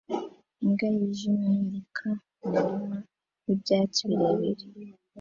Imbwa yijimye yiruka mumurima wibyatsi birebire